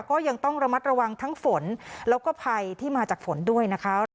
ก็ยังต้องระมัดระวังทั้งฝนแล้วก็ภัยที่มาจากฝนด้วยนะคะ